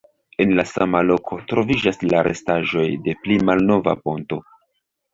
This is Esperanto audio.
En la sama loko troviĝas la restaĵoj de pli malnova ponto.